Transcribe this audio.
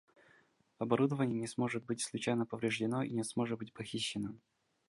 Оборудование не сможет быть случайно повреждено и не сможет быть похищено